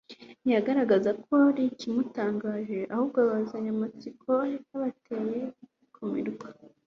Ntiyagaragazaga ko hari ikimutangaje, ahubwo ababazanya amatsiko yabateye kumirwa,